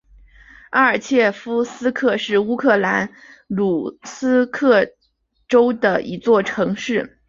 阿尔切夫斯克是乌克兰卢甘斯克州的一座城市。